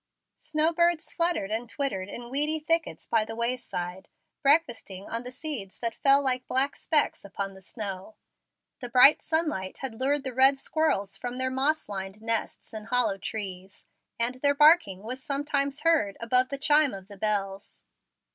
Snow birds fluttered and twittered in weedy thickets by the way side, breakfasting on the seeds that fell like black specks upon the snow. The bright sunlight had lured the red squirrels from their moss lined nests in hollow trees, and their barking was sometimes heard above the chime of the bells.